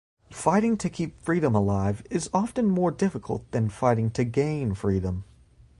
Fighting to keep freedom alive is often more difficult than fighting to gain freedom.